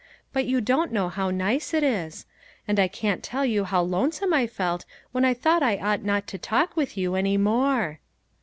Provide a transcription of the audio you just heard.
But you don't know how nice it is ; and I can't tell you how lonesome I felt when I thought I ought not to talk with you any more."